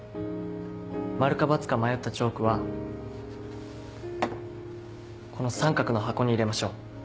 マルかバツか迷ったチョークはこの三角の箱に入れましょう。